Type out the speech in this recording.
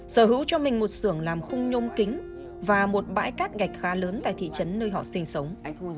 sở hữu cho mình một xưởng làm khung nhôm kính và một bãi cát gạch khá lớn tại thị trấn nơi họ sinh sống